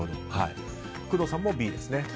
工藤さんもＢですね。